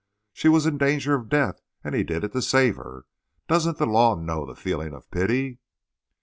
She was in danger of death, and he did it to save her. Doesn't the law know the feeling of pity?"